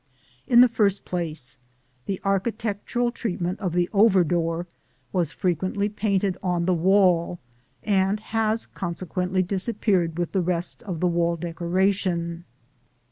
In the first place, the architectural treatment of the over door was frequently painted on the wall, and has consequently disappeared with the rest of the wall decoration (see Plate XV).